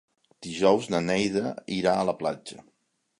Dijous na Neida irà a la platja.